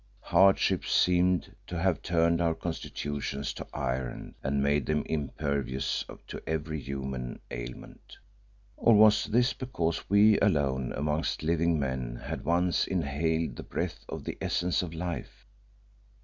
Hardship seemed to have turned our constitutions to iron and made them impervious to every human ailment. Or was this because we alone amongst living men had once inhaled the breath of the Essence of Life?